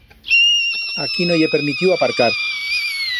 Aquí no ye permitiu aparcar!